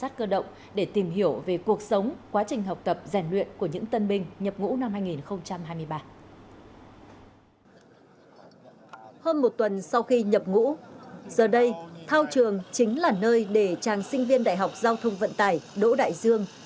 hơn một tuần sau khi nhập ngũ giờ đây thao trường chính là nơi để chàng sinh viên đại học giao thông vận tải đỗ đại dương